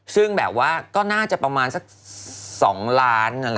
ซึ่งแบบว่าก็น่าจะประมาณสัก๒ล้าน